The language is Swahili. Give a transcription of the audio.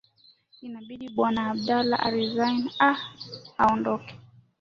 itabidi bwana abdalla aresign aa aondoke